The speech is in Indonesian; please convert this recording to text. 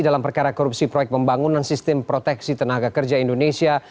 dalam perkara korupsi proyek pembangunan sistem proteksi tenaga kerja indonesia